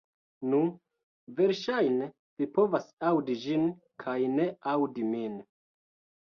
Nu, verŝajne vi povas aŭdi ĝin kaj ne aŭdi min.